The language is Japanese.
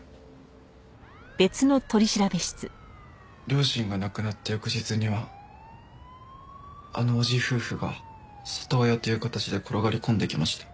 両親が亡くなった翌日にはあの叔父夫婦が里親という形で転がり込んできました。